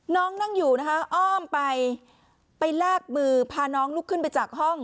นั่งอยู่นะคะอ้อมไปไปลากมือพาน้องลุกขึ้นไปจากห้อง